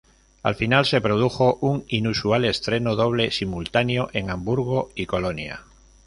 Al final, se produjo un inusual estreno doble simultáneo en Hamburgo y Colonia.